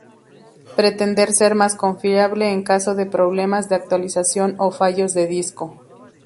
Pretende ser más confiable en caso de problemas de actualización o fallos de disco.